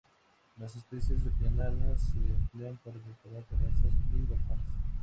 Las especies enanas se emplean para decorar terrazas y balcones.